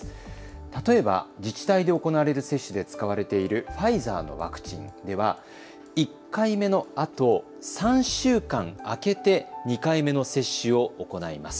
例えば自治体で行われる接種で使われているファイザーのワクチンでは、１回目のあと３週間空けて２回目の接種を行います。